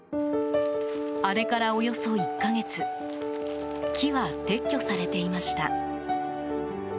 あれから、およそ１か月木は撤去されていました。